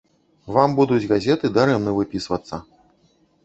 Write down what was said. Вам будуць газеты дарэмна выпісвацца.